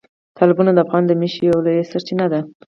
وګړي د افغانستان د اوږدمهاله پایښت لپاره یو مهم رول لري.